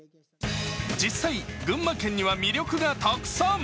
実際、群馬県には魅力がたくさん。